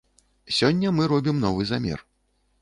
Сёння мы робім новы замер.